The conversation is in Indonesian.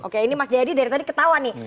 oke ini mas jayadi dari tadi ketawa nih